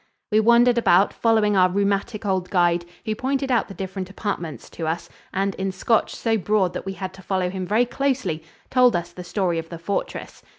We wandered about, following our rheumatic old guide, who pointed out the different apartments to us and, in Scotch so broad that we had to follow him very closely, told us the story of the fortress.